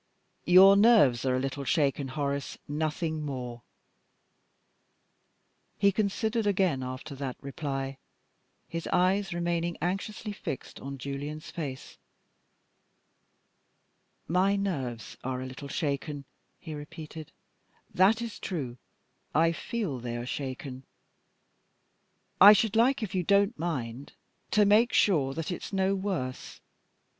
"Your nerves are a little shaken, Horace. Nothing more." He considered again after that reply, his eyes remaining anxiously fixed on Julian's face. "My nerves are a little shaken," he repeated. "That is true; I feel they are shaken. I should like, if you don't mind, to make sure that it's no worse.